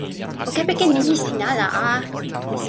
o kepeken nimi sin ala a!